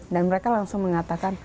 dan mereka langsung mengatakan